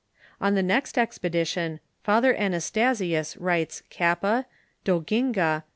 On the next expedition. Father AiTastasius writes Kappa, Do ginga,43?